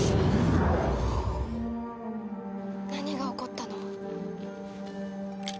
何が起こったの？